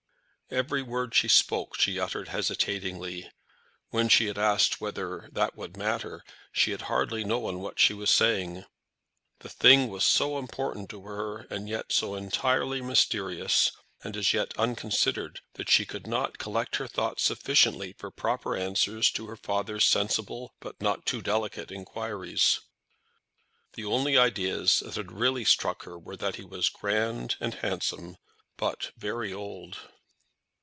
Every word she spoke she uttered hesitatingly. When she had asked whether "that would matter," she had hardly known what she was saying. The thing was so important to her, and yet so entirely mysterious and as yet unconsidered, that she could not collect her thoughts sufficiently for proper answers to her father's sensible but not too delicate inquiries. The only ideas that had really struck her were that he was grand and handsome, but very old.